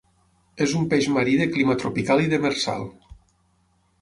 És un peix marí de clima tropical i demersal.